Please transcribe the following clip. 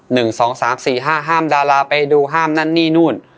หนึ่งสองสามสี่ห้าห้ามดาราไปดูห้ามนั่นนี่นู่น